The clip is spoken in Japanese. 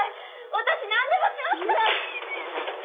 私なんでもしますから！